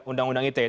undang undang itu ya